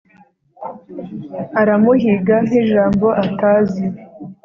aramuhiga nk'ijambo atazi -